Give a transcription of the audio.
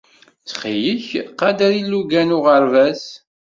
Ttxil-k, qader ilugan n uɣerbaz.